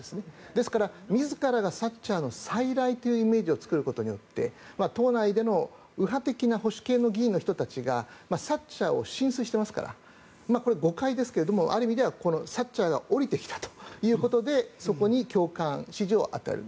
ですから、自らがサッチャーの再来というイメージを作ることによって党内での右派的な保守系の議員の人たちがサッチャーを心酔していますからこれは誤解ですがある意味ではサッチャーが降りてきたということでそこに共感、支持を与える。